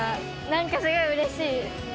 なんかすごいうれしい！